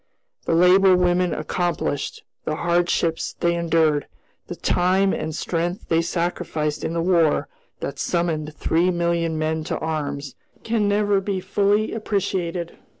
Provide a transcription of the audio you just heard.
The labor women accomplished, the hardships they endured, the time and strength they sacrificed in the War that summoned three million men to arms, can never be fully appreciated.